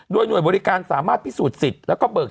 โดยหน่วยบริการสามารถพิสูจนสิทธิ์แล้วก็เบิก